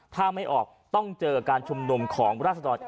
ถ้าไม่ออกต้องเจอการชุมนุมของราศดร